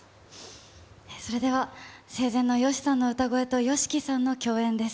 それでは、生前のＹＯＳＨＩさんの歌声と、ＹＯＳＨＩＫＩさんの共演です。